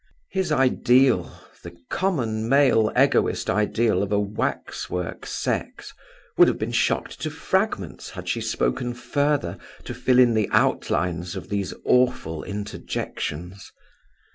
His ideal, the common male Egoist ideal of a waxwork sex, would have been shocked to fragments had she spoken further to fill in the outlines of these awful interjections.